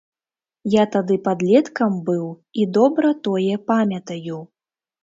Я тады падлеткам быў і добра тое памятаю.